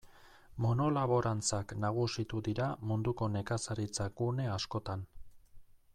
Monolaborantzak nagusitu dira munduko nekazaritza gune askotan.